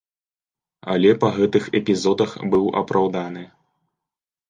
Але па гэтых эпізодах быў апраўданы.